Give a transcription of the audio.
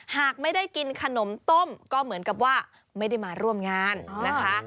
หากไม่ได้กินขนมต้มก็เหมือนกับว่าไม่ได้มาร่วมงานนะคะ